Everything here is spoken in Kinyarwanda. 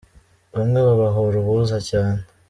bamwe babahora ubuza cyane.